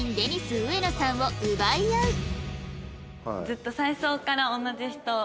ずっと最初から同じ人。